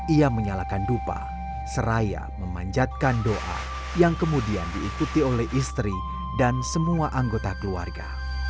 ia menyalakan dupa seraya memanjatkan doa yang kemudian diikuti oleh istri dan semua anggota keluarga